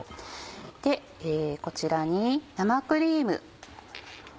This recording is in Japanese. こちらに生クリーム。